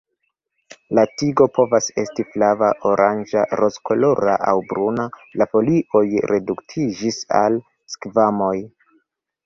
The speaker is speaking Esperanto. La tigo povas estis flava, oranĝa, rozkolora aŭ bruna, la folioj reduktiĝis al skvamoj.